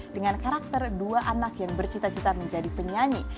dengan karakter dua anak yang bercita cita menjadi penyanyi